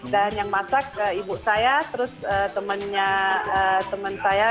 dan yang masak ibu saya terus temennya temen saya